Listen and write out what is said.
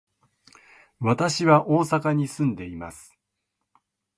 私は大阪に住んでいます。